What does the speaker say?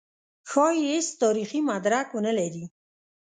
ښايي هېڅ تاریخي مدرک ونه لري.